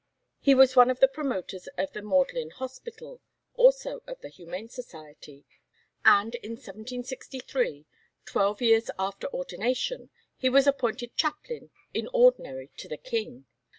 He was one of the promoters of the Magdalen Hospital, also of the Humane Society, and in 1763, twelve years after ordination, he was appointed chaplain in ordinary to the King.